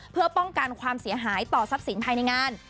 เพื่อป้องกันความเสียหายต่อทรัพย์สินภายในงาน